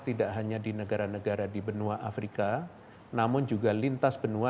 tidak hanya di negara negara di benua afrika namun juga lintas benua